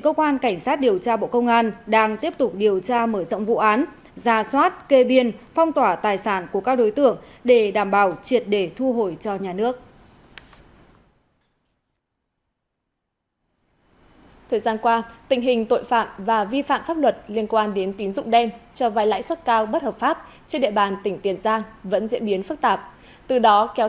cơ quan cảnh sát điều tra bộ công an đang điều tra vụ án vi phạm quy định về nghiên cứu thăm dò khai thác tài nguyên đưa hối lộ nhận hối lộ nhận hối lộ nhận hối lộ